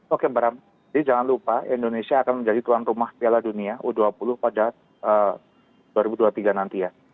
oke mbak ram jadi jangan lupa indonesia akan menjadi tuan rumah piala dunia u dua puluh pada dua ribu dua puluh tiga nanti ya